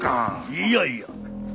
いやいや。